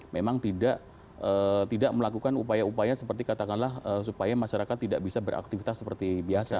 memang tidak melakukan upaya upaya seperti katakanlah supaya masyarakat tidak bisa beraktivitas seperti biasa